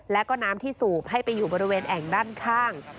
แล้วก็น้ำที่สูบให้ไปอยู่บริเวณแอ่งด้านข้าง